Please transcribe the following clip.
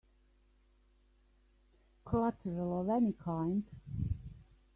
Collateral of any kind?